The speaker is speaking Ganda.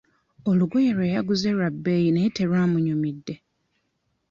Olugoye lwe yaguze lwa bbeeyi naye terwamunyumidde.